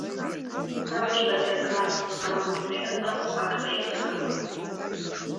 Абыжьбатәи акласс ҵаҟа акәын иахьыҟаз, актәи аихагылаҟны.